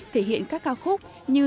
thể hiện các ca khúc như